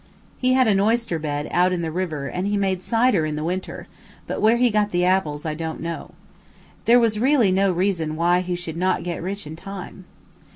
He had an oyster bed out in the river and he made cider in the winter, but where he got the apples I don't know. There was really no reason why he should not get rich in time.